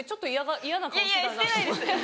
いやいやしてないです。